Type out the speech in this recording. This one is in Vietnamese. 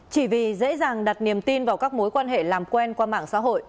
chỉ vì dễ dàng đặt niềm tin vào các mối quan hệ làm quen qua mạng xã hội